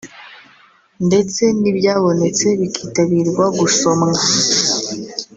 ndetse n’ibyabonetse bikitabirwa gusomwa